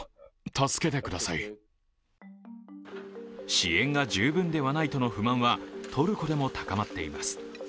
支援が十分ではないとの不満はトルコでも高まっています。